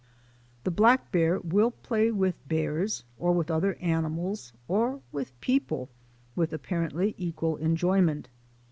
The black bear will play with bears, or with other animals, or with people with apparently equal en joyment.